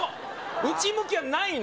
内向きはないの！